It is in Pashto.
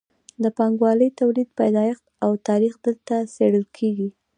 د پانګوالي تولید پیدایښت او تاریخ دلته څیړل کیږي.